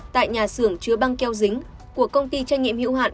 tại nhà xưởng chứa băng keo dính của công ty trang nghiệm hữu hạn